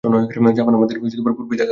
Japan আমার পূর্বেই দেখা আছে।